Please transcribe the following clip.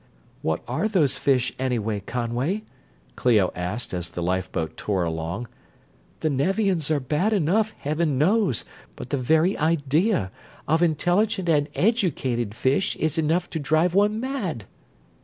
"What are those fish, anyway, Conway?" Clio asked, as the lifeboat tore along. "The Nevians are bad enough, Heaven knows, but the very idea of intelligent and educated FISH is enough to drive one mad!"